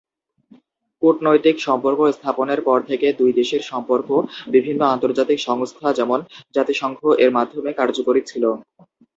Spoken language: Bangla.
কূটনৈতিক সম্পর্ক স্থাপনের পর থেকে, দুই দেশের সম্পর্ক বিভিন্ন আন্তর্জাতিক সংস্থা যেমন; জাতিসংঘ এর মাধ্যমে কার্যকরী ছিল।